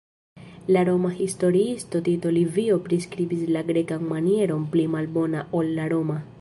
La Roma historiisto Tito Livio priskribis la grekan manieron pli malbona ol la roma.